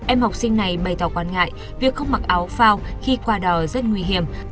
em học sinh này bày tỏ quan ngại việc không mặc áo phao khi qua đò rất nguy hiểm